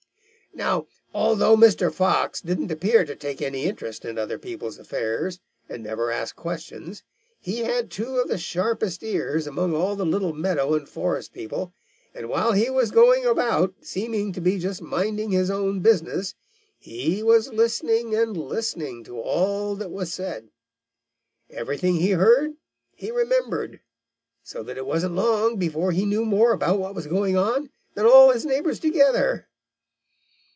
"Now, although Mr. Fox didn't appear to take any interest in other people's affairs and never asked questions, he had two of the sharpest ears among all the little meadow and forest people, and while he was going about seeming to be just minding his own business, he was listening and listening to all that was said. Everything he heard he remembered, so that it wasn't long before he knew more about what was going on than all his neighbors together.